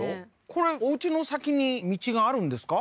これおうちの先に道があるんですか？